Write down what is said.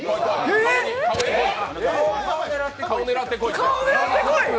えっ、顔狙ってこい？